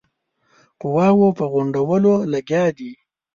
قواوو په غونډولو لګیا دی.